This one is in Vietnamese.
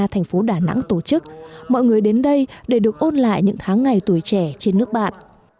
thành phố đà nẵng tổ chức mọi người đến đây để được ôn lại những tháng ngày tuổi trẻ trên nước bạn